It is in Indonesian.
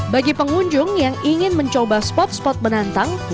bagi pengunjung yang ingin mencoba spot spot menantang